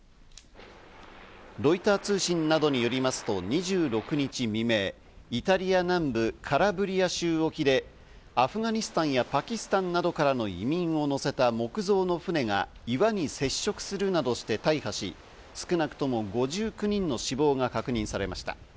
ロイター通信などによりますと、２６日未明、イタリア南部カラブリア州沖で、アフガニスタンやパキスタンなどからの移民を乗せた木造の船が岩に接触するなどして大破し、少なくとも５９人の死亡が確認されました。